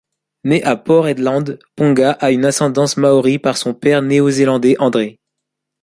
Né à Port Hedland, Ponga a une ascendance maori par son père néo-zélandais André.